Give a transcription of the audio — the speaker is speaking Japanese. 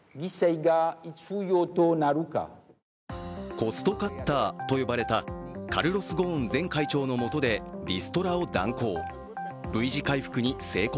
コストカッターと呼ばれたカルロス・ゴーン前会長のもとでリストラを断行。